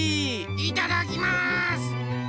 いただきます！